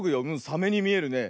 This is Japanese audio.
サメにみえるね。